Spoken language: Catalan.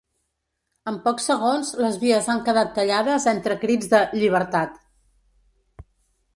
En pocs segons les vies han quedat tallades entre crits de ‘llibertat’.